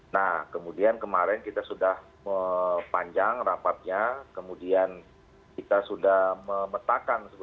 nah kemudian kemarin kita sudah panjang rapatnya kemudian kita sudah memetakan